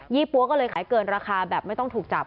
ี่ปั๊วก็เลยขายเกินราคาแบบไม่ต้องถูกจับ